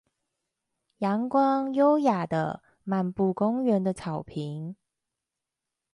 陽光優雅地漫步公園的草坪